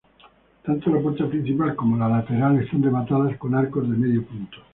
Tanto la puerta principal como la lateral están rematadas con arcos de medio punto.